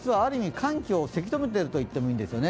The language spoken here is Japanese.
寒気をせき止めてるといってもいいんですよね。